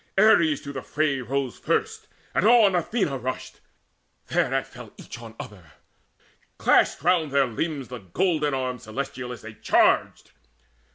Ares to the fray Rose first, and on Athena rushed. Thereat Fell each on other: clashed around their limbs The golden arms celestial as they charged.